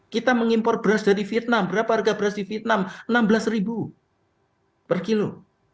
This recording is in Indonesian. kita mengimpor beras dari vietnam berapa harga beras di vietnam rp enam belas per kilo